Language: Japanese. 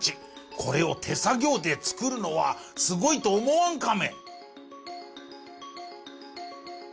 これを手作業で作るのはすごいと思わんカメ？